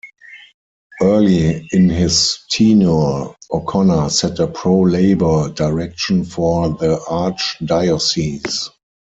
Early in his tenure, O'Connor set a pro-labor direction for the Archdiocese.